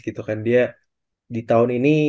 gitu kan dia di tahun ini